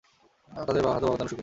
তাদের হাত ও বাহুতে অনেক শক্তি ছিল।